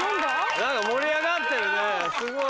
何か盛り上がってるねすごい。